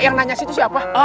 yang nanya sih itu siapa